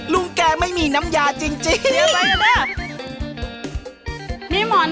ลุงแกไม่มีน้ำยาจริง